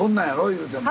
いうても。